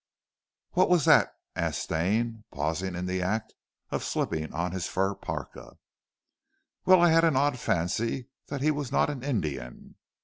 "What was that?" asked Stane pausing in the act of slipping on his fur parka. "Well, I had an odd fancy that he was not an Indian."